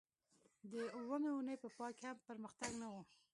د اوومې اونۍ په پای کې هم پرمختګ نه و